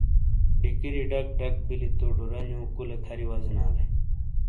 ڈِکیری ڈَکڈک بیلی تو ڈورانیو کُلے کھَری وازینالے۔